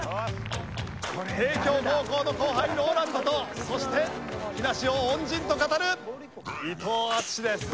帝京高校の後輩ＲＯＬＡＮＤとそして木梨を恩人と語る伊藤淳史です。